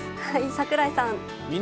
櫻井さん。